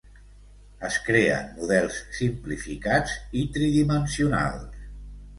Es creen models simplificats i tridimensionals.